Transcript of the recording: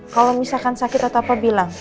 kalau misalkan sakit atau apa bilang